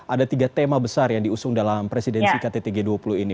ada tiga tema besar yang diusung dalam presidensi kttg dua puluh ini